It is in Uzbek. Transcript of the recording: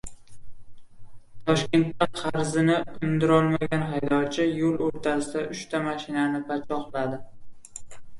Toshkentda qarzini undirolmagan haydovchi yo‘l o‘rtasida uchta mashinani pachoqladi